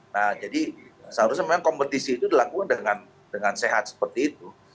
nah jadi seharusnya memang kompetisi itu dilakukan dengan sehat seperti itu